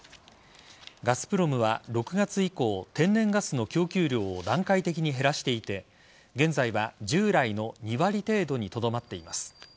ガスプロムは６月以降天然ガスの供給量を段階的に減らしていて現在は従来の２割程度にとどまっています。